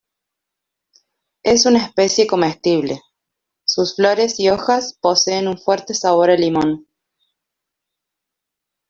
Es una especie comestible, sus flores y hojas poseen un fuerte sabor a limón.